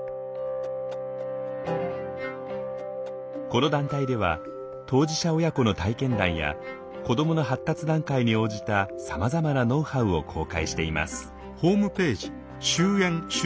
この団体では当事者親子の体験談や子どもの発達段階に応じたさまざまなノウハウを公開しています。